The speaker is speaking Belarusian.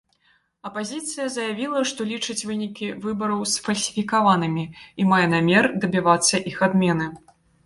Апазіцыя заявіла, што лічыць вынікі выбараў сфальсіфікаванымі і мае намер дабівацца іх адмены.